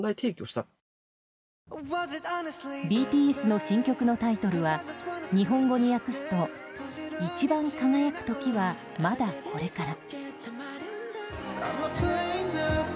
ＢＴＳの新曲のタイトルは日本語に訳すと一番輝く時はまだこれから。